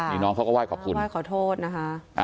นี่น้องเขาก็ไห้ขอบคุณไห้ขอโทษนะคะ